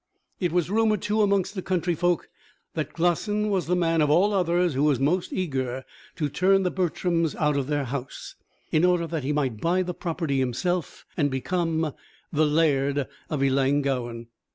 It was rumoured, too, amongst the country folk that Glossin was the man, of all others, who was most eager to turn the Bertrams out of their house, in order that he might buy the property himself, and become the Laird of Ellangowan.